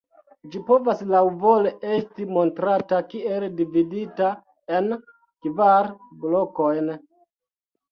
Ĝi povas laŭvole esti montrata kiel dividita en kvar blokojn.